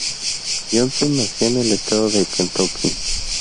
Johnston nació en el Estado de Kentucky.